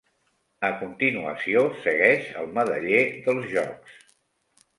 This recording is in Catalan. A continuació segueix el medaller dels Jocs.